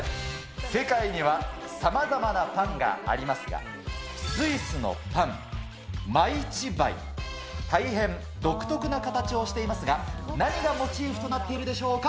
世界にはさまざまなパンがありますが、スイスのパン、マイチバイ、大変独特な形をしていますが、何がモチーフとなっているでしょうか。